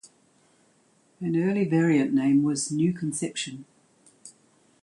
An early variant name was "New Conception".